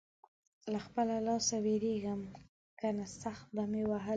له خپله لاسه وېرېږم؛ که نه سخت به مې وهلی وې.